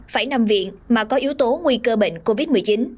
phải nằm viện mà có yếu tố nguy cơ bệnh covid một mươi chín